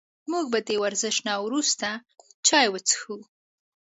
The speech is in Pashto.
موږ به د ورزش نه وروسته چای وڅښو